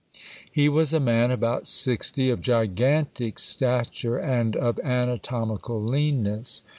He was a man about sixty, of gigantic stature, and of anatomical leanness.